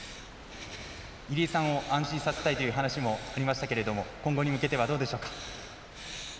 入江さんを安心させたいという話もありましたが今後に向けてはどうでしょうか。